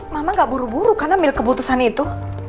mama gak buru buru kan ambil keputusan itu